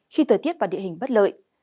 khi thời tiết và địa hình bất lợi